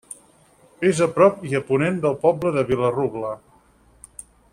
És a prop i a ponent del poble de Vila-rubla.